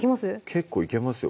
結構いけますよ